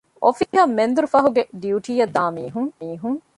އޮފީހަށް މެންދުރުފަހުގެ ޑިޔުޓީއަށް ދާމީހުން